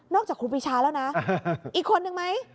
จากครูปีชาแล้วนะอีกคนนึงไหม